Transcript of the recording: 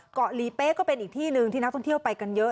หลีเป๊ะก็เป็นอีกที่หนึ่งที่นักท่องเที่ยวไปกันเยอะ